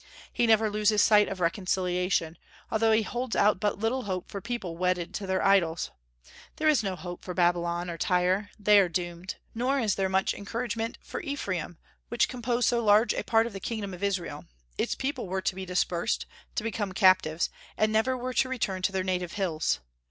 He never loses sight of reconciliation, although he holds out but little hope for people wedded to their idols. There is no hope for Babylon or Tyre; they are doomed. Nor is there much encouragement for Ephraim, which composed so large a part of the kingdom of Israel; its people were to be dispersed, to become captives, and never were to return to their native hills.